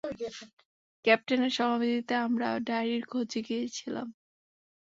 ক্যাপ্টেনের সমাধিতে আমরা ডায়েরির খোঁজে গিয়েছিলাম।